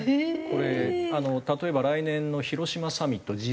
これ例えば来年の広島サミットＧ７。